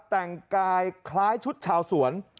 แต่งกายคล้ายชุดชาวสวน